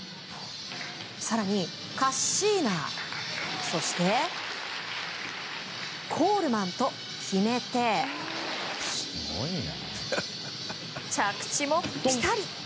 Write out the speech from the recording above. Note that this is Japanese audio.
更にカッシーナそしてコールマンと決めて着地もピタリ。